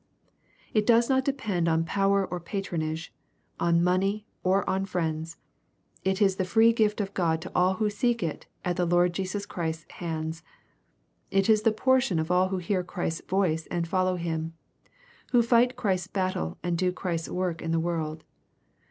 It does not depend on power or patronage, on money or on friends. It is the free gift of God to all who seek it at the Lord Jesus Christ's hands. It is the portion of all who hear Christ's voice and follow Him, — who fight Christ's "battle and do Christ's work in the world.